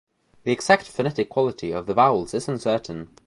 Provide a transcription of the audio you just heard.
The exact phonetic quality of the vowels is uncertain.